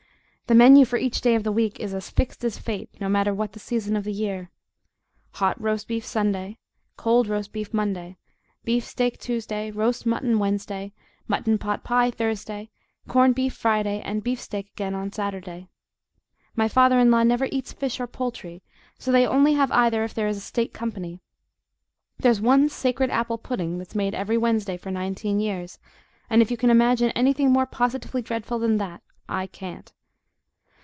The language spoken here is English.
The menu for each day of the week is as fixed as fate, no matter what the season of the year: hot roast beef, Sunday; cold roast beef, Monday; beef steak, Tuesday; roast mutton, Wednesday; mutton pot pie, Thursday; corned beef, Friday; and beef steak again on Saturday. My father in law never eats fish or poultry, so they only have either if there is state company. There's one sacred apple pudding that's been made every Wednesday for nineteen years, and if you can imagine anything more positively dreadful than that, I can't.